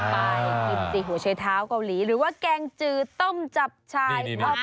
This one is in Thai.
ไปชิมจีหัวใช้เท้าเกาหลีหรือว่าแกงจือต้มจับชาย